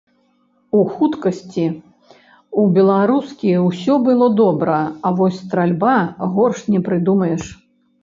У хуткасці ў беларускі ўсё было добра, а вось стральба горш не прыдумаеш.